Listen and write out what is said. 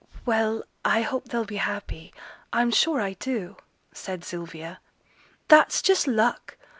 'Well, I hope they'll be happy; I'm sure I do!' said Sylvia. 'That's just luck.